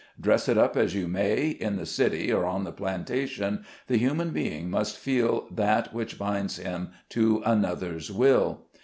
Dress it up as you may, in the city or on the plantation, the human being must feel that which binds him to another's will.